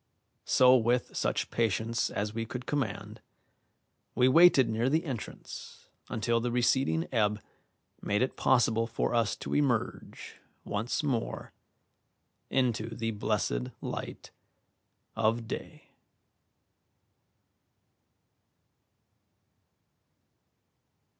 So with such patience as we could command, we waited near the entrance until the receding ebb made it possible for us to emerge once more into the blessed light of day.